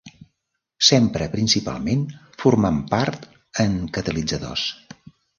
S'empra principalment formant part en catalitzadors.